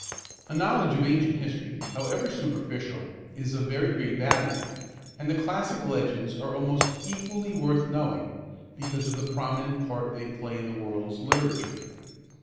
A knowledge of ancient history, however superficial, is of very great value; and the classic legends are almost equally worth knowing, because of the prominent part they play in the world's literature.